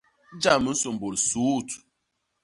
Jam u nsômbôl, suut!